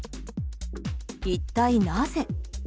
一体なぜ？